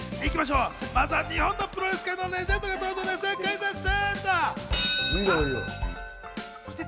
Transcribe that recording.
まずは日本のプロレス界のレジェンドが登場です、クイズッス！